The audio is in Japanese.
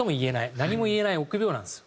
何も言えない臆病なんですよ。